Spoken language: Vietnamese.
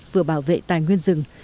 vừa bảo vệ tài nguyên rừng